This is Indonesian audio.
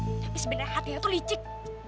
tapi sebenarnya hatinya itu licik